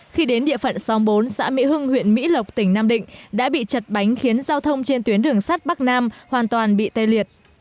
khi đến địa phận xóm bốn xã mỹ hưng huyện mỹ lộc tỉnh nam định đã bị chật bánh khiến giao thông trên tuyến đường sắt bắc nam hoàn toàn bị tê liệt